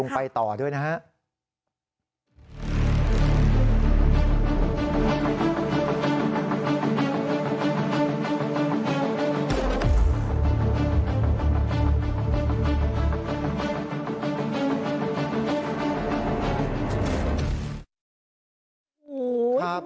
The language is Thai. ไปต่อด้วยนะครับ